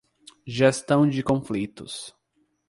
Gestão de conflitos